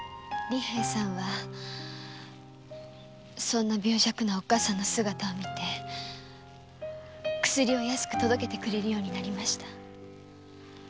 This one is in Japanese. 利平さんはそんな病弱なおっかさんの姿を見て薬を安く届けてくれるようになりました。